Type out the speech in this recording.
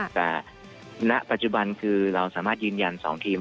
แต่ณปัจจุบันคือเราสามารถยืนยัน๒ทีม